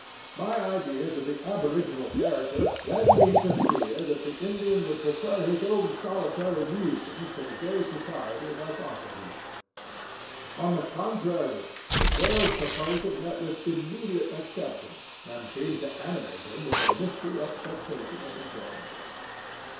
My ideas of the aboriginal character led me to fear that the Indian would prefer his own solitary musings to the gay society thus offered him; on the contrary, the girl's proposal met with immediate acceptance and seemed to animate him with a misty expectation of enjoyment.